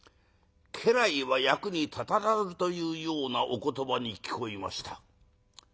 家来は役に立たずというようなお言葉に聞こえました。